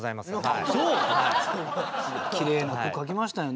きれいな句書きましたよね。